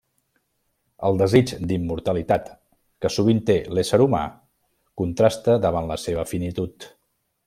El desig d'immortalitat que sovint té l'ésser humà contrasta davant la seva finitud.